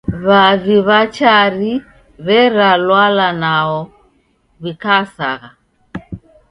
W'avi w'a Chari w'erelwala nwao w'ikasagha.